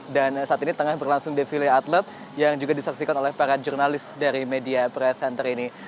dan saat ini tengah berlangsung de ville atlet yang juga disaksikan oleh para jurnalis dari media press center ini